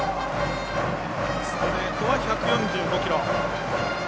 ストレートは１４５キロ。